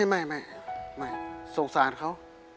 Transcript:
ไม่สงสารเขา